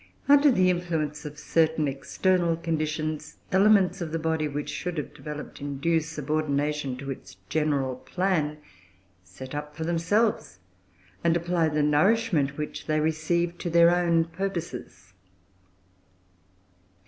Under the influence of certain external conditions, elements of the body, which should have developed in due subordination to its general plan, set up for themselves and apply the nourishment which they receive to their own purposes.